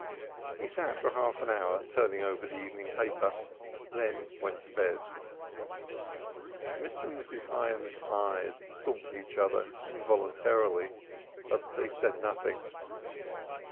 He sat for half an hour turning over the evening paper, then went to bed. Mr. and Mrs. Hyams's eyes sought each other involuntarily but they said nothing.